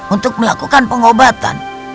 untuk melakukan pengobatan